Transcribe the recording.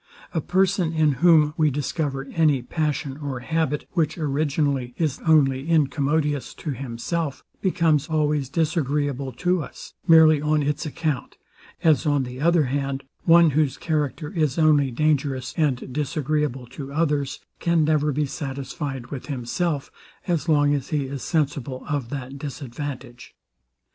A person, in whom we discover any passion or habit, which originally is only incommodious to himself, becomes always disagreeable to us, merely on its account; as on the other hand, one whose character is only dangerous and disagreeable to others, can never be satisfied with himself, as long as he is sensible of that disadvantage.